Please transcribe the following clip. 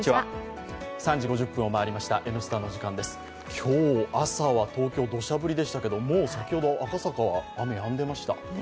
今日、朝は東京どしゃ降りでしたけど先ほど赤坂は雨やんでいました。